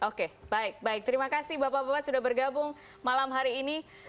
oke baik baik terima kasih bapak bapak sudah bergabung malam hari ini